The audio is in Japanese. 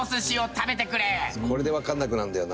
これでわかんなくなるんだよな。